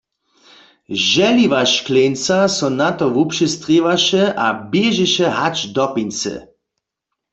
Žehliwa škleńca so na to wupřestrěwaše a běžeše hač do pincy.